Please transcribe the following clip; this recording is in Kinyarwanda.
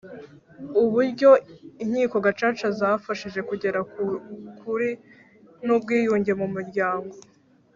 uburyo inkiko gacaca zafashije kugera ku kuri n ubwiyunge mu miryango